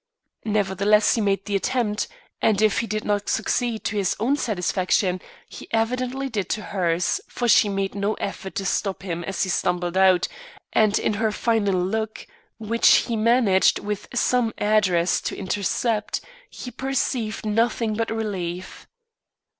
Nevertheless, he made the attempt, and if he did not succeed to his own satisfaction, he evidently did to hers, for she made no effort to stop him as he stumbled out, and in her final look, which he managed with some address to intercept, he perceived nothing but relief.